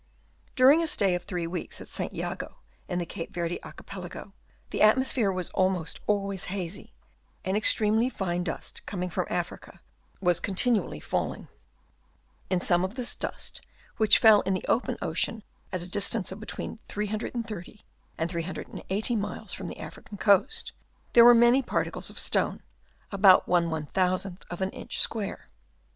During a stay of three weeks at St. Jago in the Cape Yerde Archipelago, the atmosphere was almost always hazy, and ex tremely fine dust coming from Africa was con tinually falling. In some of this dust which fell in the open ocean at a distance of between 330 and 380 miles from the African coast, there were many particles of stone, about y^ q q of an inch square.